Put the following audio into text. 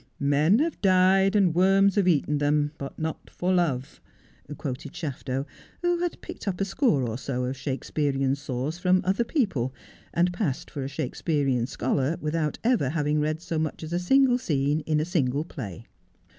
'" Men have died and worms have eaten them, but not for love,"' quoted Shafto, who had picked up a score or so of Shakespearian saws from other people, and passed for a Shake spearian scholar without ever having read so much as a single Was Life Worth Living ? 187 scene in a single play.